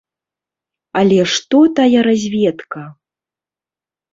Але што тая разведка!